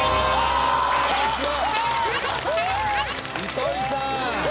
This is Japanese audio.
糸井さん。